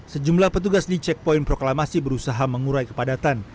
sejumlah petugas di checkpoin proklamasi berusaha mengurai kepadatan